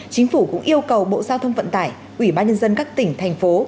chính phủ cũng yêu cầu bộ giao thông vận tải ủy ban nhân dân các tỉnh thành phố